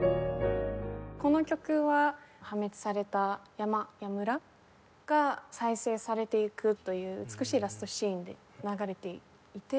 この曲は破滅された山や村が再生されていくという美しいラストシーンで流れていて。